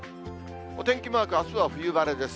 お天気マーク、あすは冬晴れです。